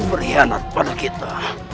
berhianat pada kita